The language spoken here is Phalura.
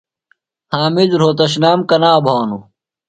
حامد رھوتشنام کنا بھانوۡ؟